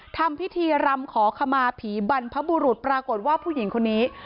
ทำพิธีรำขอขมาผีบรรพบุรุษปรากฏว่าผู้หญิงคนนี้